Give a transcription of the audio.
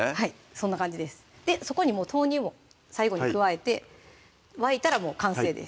そんな感じですでそこにもう豆乳も最後に加えて沸いたらもう完成です